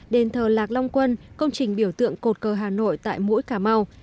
đền thờ lạc long quân công trình biểu tượng cột cờ hà nội tại mũi cà mau